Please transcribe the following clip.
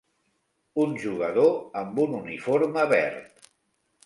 Un jugador amb un uniforme verd.